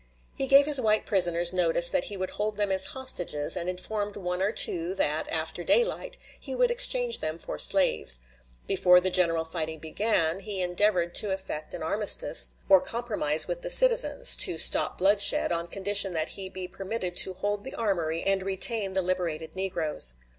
He gave his white prisoners notice that he would hold them as hostages, and informed one or two that, after daylight, he would exchange them for slaves. Before the general fighting began, he endeavored to effect an armistice or compromise with the citizens, to stop bloodshed, on condition that he be permitted to hold the armory and retain the liberated negroes.